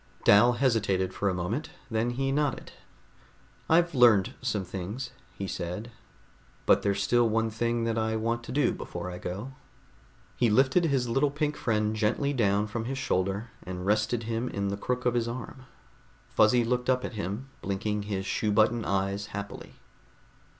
Dal hesitated for a moment. Then he nodded. "I've learned some things," he said, "but there's still one thing that I want to do before I go." He lifted his little pink friend gently down from his shoulder and rested him in the crook of his arm. Fuzzy looked up at him, blinking his shoe button eyes happily.